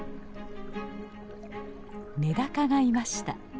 メダカがいました。